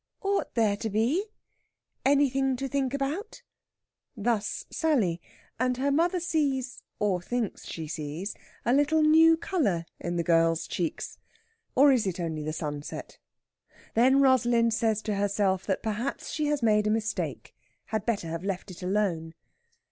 "Ought there to be ... anything to think about?" Thus Sally; and her mother sees, or thinks she sees, a little new colour in the girl's cheeks. Or is it only the sunset? Then Rosalind says to herself that perhaps she has made a mistake, had better have left it alone.